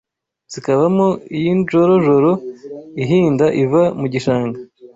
Zikabamo iy'injorojoro ihinda iva mugishanga